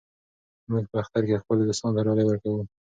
موږ په اختر کې خپلو دوستانو ته ډالۍ ورکوو.